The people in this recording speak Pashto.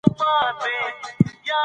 تږې دنيا لاهو کړه.